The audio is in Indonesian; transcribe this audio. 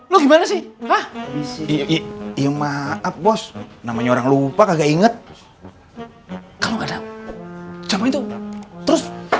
lu gimana sih maaf bos namanya orang lupa kagak inget kalau nggak ada jam itu terus